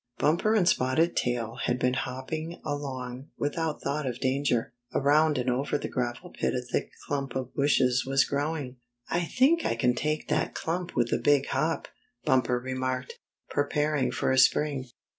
Bumper and Spotted Tail had been hop ping along without thought of danger. Around and over the gravel pit a thick clump of bushes was growing. Spotted Tail Proves His Loyalty 101 " I think I can take that clump with a big hop," Bumper remarked, preparing for a spring.